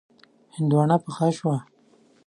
هندواڼه پخه شوه.